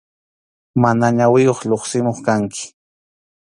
Mana ñawiyuq lluqsimuq kanki.